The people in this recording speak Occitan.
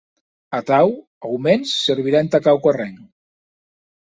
Atau, aumens, servirà entà quauquarren.